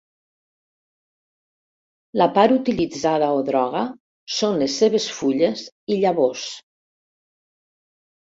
La part utilitzada o droga són les seves fulles i llavors.